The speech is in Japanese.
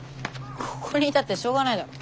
ここにいたってしょうがないだろ！